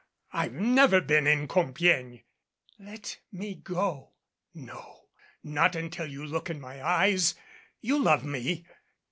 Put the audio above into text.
I've never been in Compiegne " "Let me go " "No. Not until you look in my eyes. You love me.